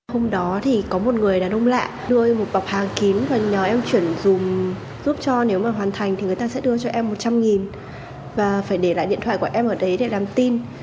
hôm đó thì có một người đàn ông lạ đưa một bọc hàng kín và nhờ em chuyển dùng giúp cho nếu mà hoàn thành thì người ta sẽ đưa cho em một trăm linh và phải để lại điện thoại của em ở đấy để làm tin